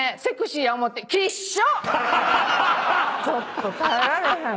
ちょっと耐えられへん。